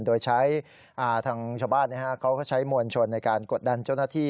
โดยใช้ทางชาวบ้านเขาก็ใช้มวลชนในการกดดันเจ้าหน้าที่